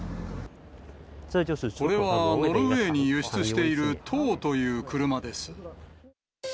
これはノルウェーに輸出している、唐という車です。